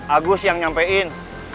agus yang nyampein